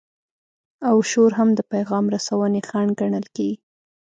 او شور هم د پیغام رسونې خنډ ګڼل کیږي.